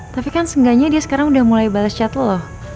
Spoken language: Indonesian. tapi kan seenggaknya dia sekarang udah mulai bales chatlo